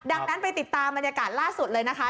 ดังนั้นไปติดตามบรรยากาศล่าสุดเลยนะคะ